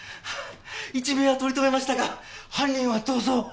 一命は取り留めましたが犯人は逃走！